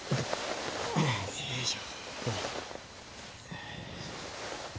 よいしょ。